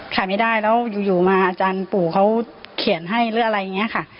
ขายไม่ได้แล้วอยู่มาอาจารย์ปู่เขาเขียนให้หรืออะไรอย่างนี้ค่ะ